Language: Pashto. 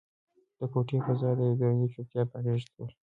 د کوټې فضا د یوې درنې چوپتیا په غېږ کې وه.